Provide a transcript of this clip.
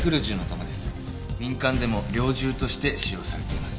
民間でも猟銃として使用されています。